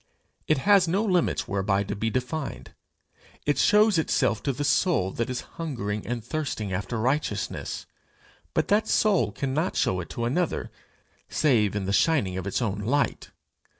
It has no limits whereby to be defined. It shows itself to the soul that is hungering and thirsting after righteousness, but that soul cannot show it to another, save in the shining of its own light.